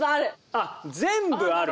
あっ全部ある。